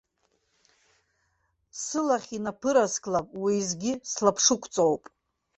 Сылахь инаԥырасклап, уеизгьы слаԥшықәҵоуп.